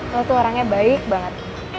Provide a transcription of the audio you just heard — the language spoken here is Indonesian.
kalau tuh orangnya baik banget